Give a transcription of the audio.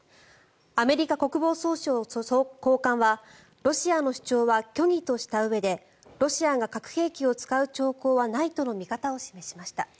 アメリカ国防総省高官はロシアの主張は虚偽としたうえでロシアが核兵器を使う兆候はないとの見方を示しました。